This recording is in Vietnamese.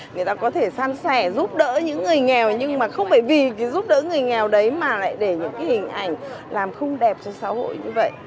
người ta có thể san sẻ giúp đỡ những người nghèo nhưng mà không phải vì giúp đỡ người nghèo đấy mà lại để những cái hình ảnh làm không đẹp cho xã hội như vậy